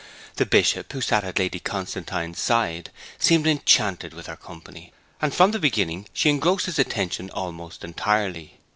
The Bishop, who sat at Lady Constantine's side, seemed enchanted with her company, and from the beginning she engrossed his attention almost entirely.